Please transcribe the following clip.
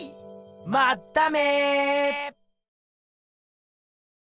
まっため！